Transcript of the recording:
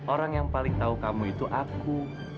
orang yang paling tahu kamu itu aku